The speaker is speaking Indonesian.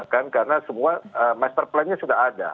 kan karena semua master plan nya sudah ada